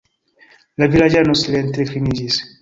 La vilaĝano silente kliniĝis.